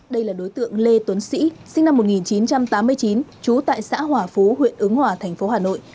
đây là đối tượng lê tuấn sĩ sinh năm một nghìn chín trăm tám mươi chín trú tại xã hòa phú huyện ứng hòa thành phố hà nội